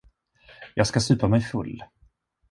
Jag skall supa mig full.